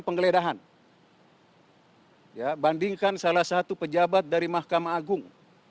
penggeledahan bandingkan salah satu pejabat dari mahkamah agung